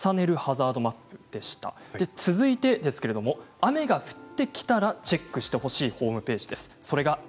続いては雨が降ってきたらチェックしてほしいホームページです。